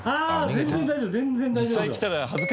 全然大丈夫！